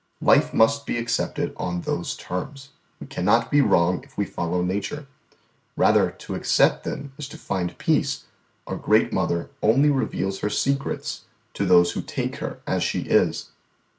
Life must be accepted on those terms; we cannot be wrong if we follow nature; rather to accept them is to find peace our great mother only reveals her secrets to those who take her as she is."